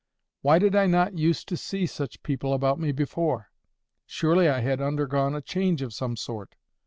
Why did I not use to see such people about me before? Surely I had undergone a change of some sort.